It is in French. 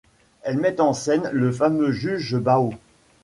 Elles mettent en scène le fameux juge Bao.